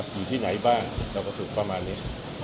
อยู่ที่ไหนบ้างเราก็สุขประมาณนี้